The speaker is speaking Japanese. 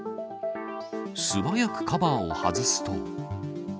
素早くカバーを外すと。